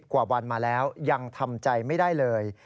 กว่าวันมาแล้วยังทำใจไม่ได้เลย